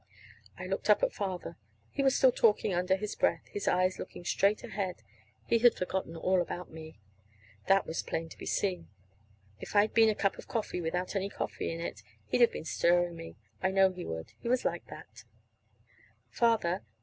I looked up at Father. He was still talking half under his breath, his eyes looking straight ahead. He had forgotten all about me. That was plain to be seen. If I'd been a cup of coffee without any coffee in it, he'd have been stirring me. I know he would. He was like that. "Father.